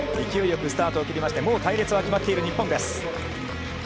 勢いよくスタートを切りまして、もう隊列は決まっている日本です。